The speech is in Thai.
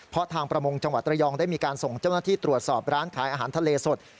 เพราะทางประมงจังหวัดระยองได้มีการส่งเจ้าหน้าที่ตรวจสอบร้านขายอาหารทะเลสด